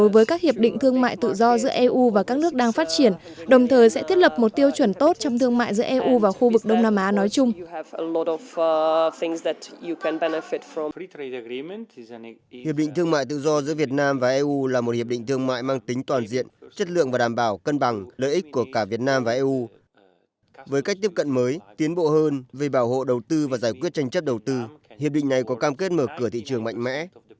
với cách tiếp cận mới tiến bộ hơn về bảo hộ đầu tư và giải quyết tranh chấp đầu tư hiệp định này có cam kết mở cửa thị trường mạnh mẽ